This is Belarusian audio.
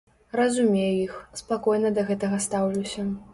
Разумею іх, спакойна да гэтага стаўлюся.